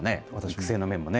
育成の面もね。